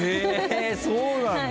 そうなんだ！